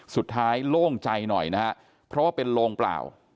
โล่งใจหน่อยนะฮะเพราะว่าเป็นโลงเปล่า